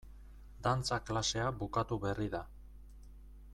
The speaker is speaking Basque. Dantza klasea bukatu berri da.